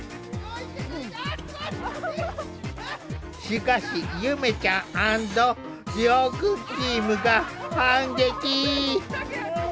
しかしゆめちゃん＆遼くんチームが反撃。